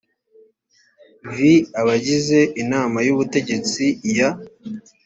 vi abagize inama y ubutegetsi ya